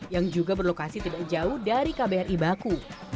yang juga berlokasi tidak jauh dari kbri baku